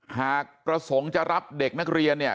หากประสงค์จะรับเด็กนักเรียนเนี่ย